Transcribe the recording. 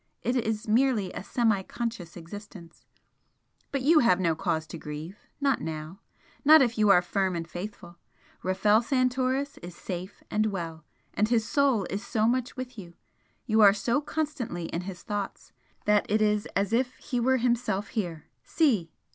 It is merely a semi conscious existence. But you have no cause to grieve not now, not if you are firm and faithful. Rafel Santoris is safe and well and his soul is so much with you you are so constantly in his thoughts, that it is as if he were himself here see!"